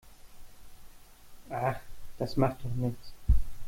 Ach, das macht doch nichts.